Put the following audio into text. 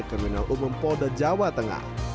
kriminal umum polda jawa tengah